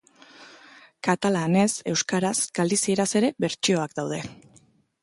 Katalanez, euskaraz, galizieraz ere bertsioak daude.